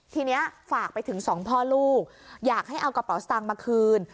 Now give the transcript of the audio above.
ทีนี้ฝากไปถึงสองพ่อลูกอยากให้เอากระเป๋าสตางค์มาคืน